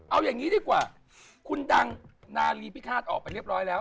เอาอย่างนี้ดีกว่าคุณดังนาลีพิฆาตออกไปเรียบร้อยแล้ว